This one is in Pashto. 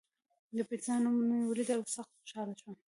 د پېټرا نوم مې ولید او سخت خوشاله شوم.